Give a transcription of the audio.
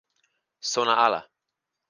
sona ala.